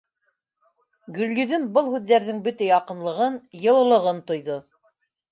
Гөлйөҙөм был һүҙҙәрҙең бөтә яҡынлығын, йылылығын тойҙо.